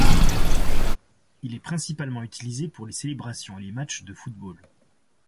Il est principalement utilisé pour les célébrations et les matches de football.